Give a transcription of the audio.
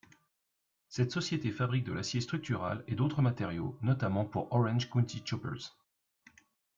Cette société fabrique de l'acier structural et d'autre matériaux, notamment pour Orange County Choppers.